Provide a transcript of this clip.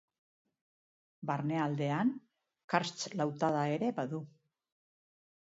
Barnealdean Karst lautada ere badu.